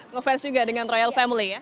ngefans juga dengan royal family ya